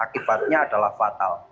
kelembabannya adalah fatal